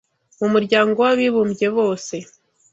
mu mu muryango w’Abibumbye bose